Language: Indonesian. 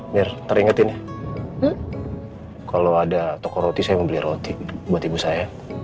biar teringat ini kalau ada toko roti saya mau beli roti buat ibu saya